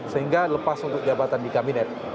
sehingga lepas untuk jabatan di kabinet